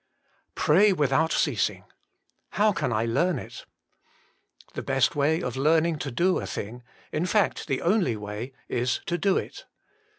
Pray without Ceasing. How can I learn it ? The best way of learning to do a thing in fact the only way is to do it.